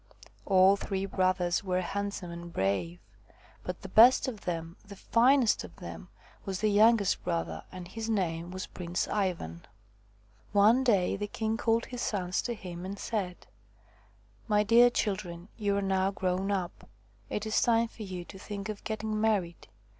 All three brothers were hand some and brave, but the best of them, the finest of them, was the youngest brother, and his name was Prince Ivan. One day the king called his sons to him and said :" My dear children, you are now grown up. It is time for you to think of getting married.